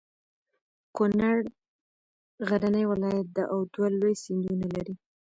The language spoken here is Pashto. کنړ غرنی ولایت ده او دوه لوی سیندونه لري.